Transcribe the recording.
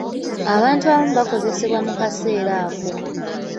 Abantu abamu baakosebwa mu kaseera ako .